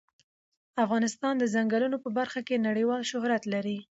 افغانستان د ځنګلونه په برخه کې نړیوال شهرت لري.